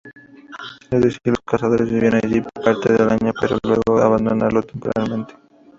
Es decir, los cazadores vivían allí parte del año, para luego abandonarlo temporalmente.